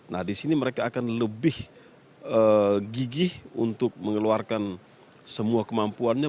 nah di sini mereka akan lebih gigih untuk mengeluarkan semua kemampuannya